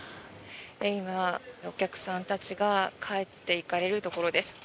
今、お客さんたちが帰っていかれるところです。